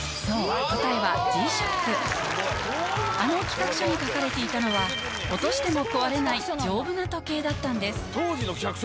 あの企画書に書かれていたのは『落としても壊れない丈夫な時計』だったんです当時の企画書？